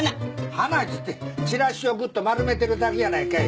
花っつってチラシをぐっと丸めてるだけやないかい。